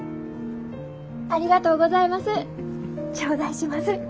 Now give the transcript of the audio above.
ありがとうございます。